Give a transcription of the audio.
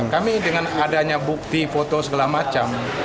kami dengan adanya bukti foto segala macam